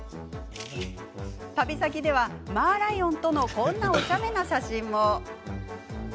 旅先では、マーライオンとのこんなおちゃめな写真も。